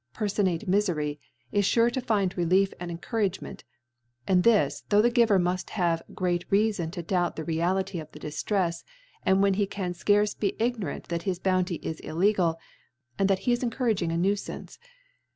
fonate Mifery, is fure to find Relief and Er^. couragemeitt , and this , though the Giver mufF HI ■(( 70 mud have great Reafon to doubt the Reality of the Diflrefs, and when he can fcarce be ignorant that his Bounty is illegal % and that he is encouraging a Nuifance.